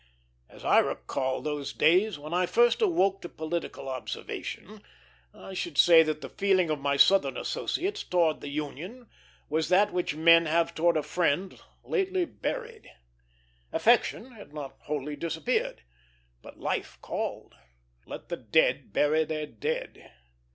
As I recall those days, when I first awoke to political observation, I should say that the feeling of my Southern associates towards the Union was that which men have towards a friend lately buried. Affection had not wholly disappeared; but life called. Let the dead bury their dead.